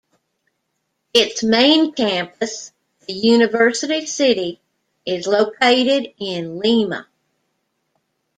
Its main campus, the University City, is located in Lima.